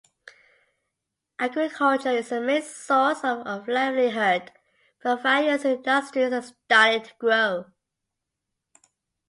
Agriculture is the main source of livelihood but various industries are starting to grow.